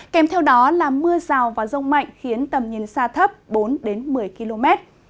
kèm theo đó là mưa rào và rông mạnh khiến tầm nhìn xa thấp bốn một mươi km